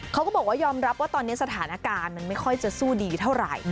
เขาก็บอกว่ายอมรับว่าตอนนี้สถานการณ์มันไม่ค่อยจะสู้ดีเท่าไหร่